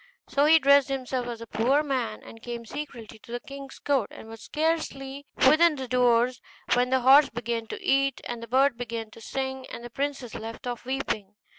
So he dressed himself as a poor man, and came secretly to the king's court, and was scarcely within the doors when the horse began to eat, and the bird to sing, and the princess left off weeping.